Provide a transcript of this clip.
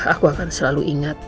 aku akan selalu ingat